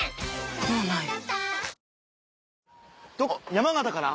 山形から？